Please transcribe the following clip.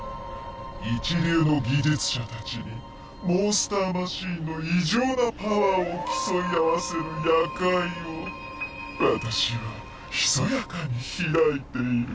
一流の技術者たちにモンスターマシンの異常なパワーを競い合わせる夜会を私はひそやかに開いている。